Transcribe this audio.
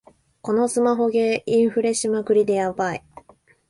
このスマホゲー、インフレしまくりでヤバい